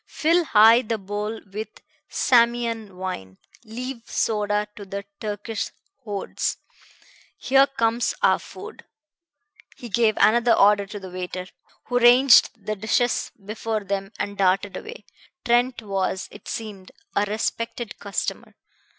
Fill high the bowl with Samian wine; leave soda to the Turkish hordes. Here comes our food." He gave another order to the waiter, who ranged the dishes before them and darted away. Trent was, it seemed, a respected customer.